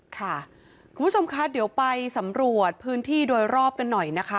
คุณผู้ชมคะเดี๋ยวไปสำรวจพื้นที่โดยรอบกันหน่อยนะคะ